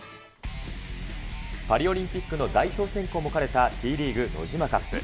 パリオリンピックの代表選考も兼ねたＴリーグ・ノジマカップ。